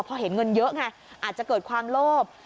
พอเห็นเงินเยอะไงอาจจะเกิดความโลภ